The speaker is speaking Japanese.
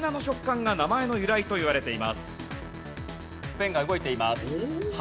ペンが動いています。